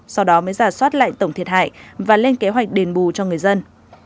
sau đó mới giả soát lại tổng thiệt hại và lên kế hoạch đền bù cho người dân